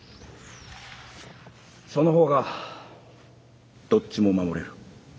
その方がどっちも守れる。